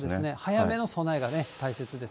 早めの備えが大切です。